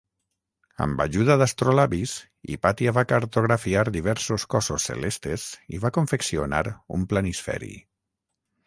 Amb ajuda d'astrolabis Hipàtia va cartografiar diversos cossos celestes i va confeccionar un planisferi.